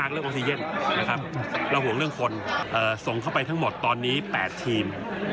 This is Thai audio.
เราห่วงเรื่องคนส่งเข้าไปทั้งหมดตอนนี้๘ทีม